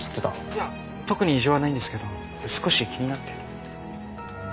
いや特に異常はないんですけど少し気になって。